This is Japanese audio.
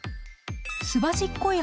すばしっこい